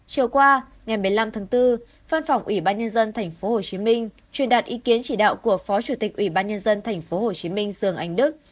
chiều qua ngày một mươi năm tháng bốn văn phòng ủy ban nhân dân tp hcm truyền đạt ý kiến chỉ đạo của phó chủ tịch ủy ban nhân dân tp hcm dương anh đức